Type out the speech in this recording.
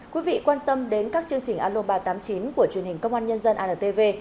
quý vị quan tâm đến các chương trình aloba tám mươi chín của truyền hình công an nhân dân antv